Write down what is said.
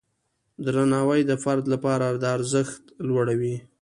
درناوی د فرد لپاره د ارزښت لوړوي.